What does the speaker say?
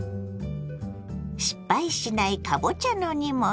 失敗しないかぼちゃの煮物。